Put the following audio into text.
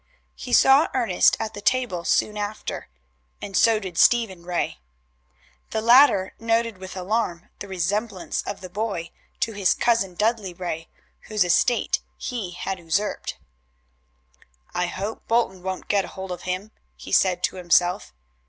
He saw Ernest at the table soon after, and so did Stephen Ray. The latter noted with alarm the resemblance of the boy to his cousin Dudley Ray, whose estate he had usurped. "I hope Bolton won't get hold of him," he said to himself.